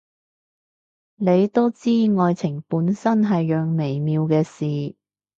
你都知，愛情本身係樣微妙嘅事